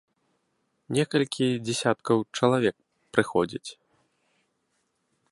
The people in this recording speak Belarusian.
Некалькі дзясяткаў чалавек прыходзяць.